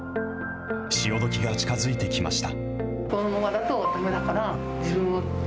潮時が近づいてきました。